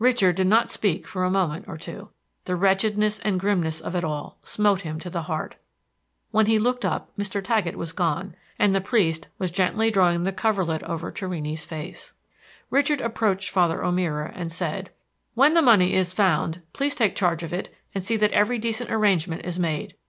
Richard did not speak for a moment or two. The wretchedness and grimness of it all smote him to the heart. When he looked up Mr. Taggett was gone, and the priest was gently drawing the coverlet over Torrini's face. Richard approached Father O'Meara and said: "When the money is found, please take charge of it, and see that every decent arrangement is made.